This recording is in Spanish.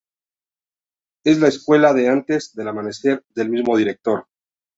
Es la secuela de "Antes del amanecer" del mismo director.